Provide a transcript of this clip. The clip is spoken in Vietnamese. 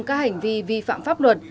các hành vi vi phạm pháp luật